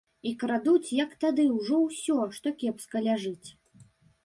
І крадуць, як тады, ужо ўсё, што кепска ляжыць.